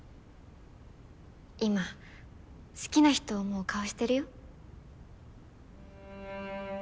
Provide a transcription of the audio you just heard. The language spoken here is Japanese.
今好きな人を思う顔してるよ